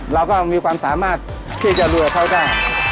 เราก็มีความสามารถที่จะรวยกับเขาได้